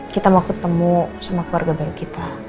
kita mau ketemu sama keluarga baru kita